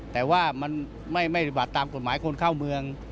แต่ว่ามันไม่ตามกฎหมายคนเข้าเมือง